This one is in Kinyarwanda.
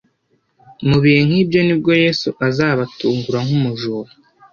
mu bihe nk'ibyo nibwo Yesu azabatungura nk'umujura.